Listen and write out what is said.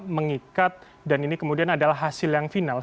mengikat dan ini kemudian adalah hasil yang final